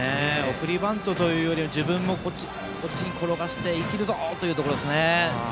送りバントというよりは自分も、こっちへ転がして生きるぞというところですね。